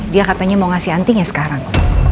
dia katanya mau ngasih antinya sekarang